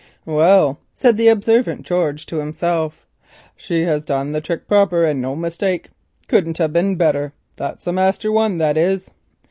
"Well," said the observant George to himself, "she hev done the trick proper, and no mistake. Couldn't have been better. That's a master one, that is."